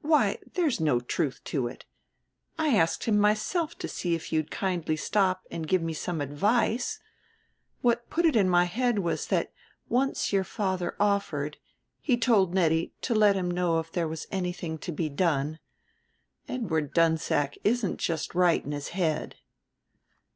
"Why, there's no truth to it. I asked him myself to see if you'd kindly stop and give me some advice. What put it in my head was that once your father offered he told Nettie to let him know if there was anything to be done. Edward Dunsack isn't just right in his head."